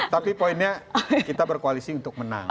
tapi poinnya kita berkoalisi untuk menang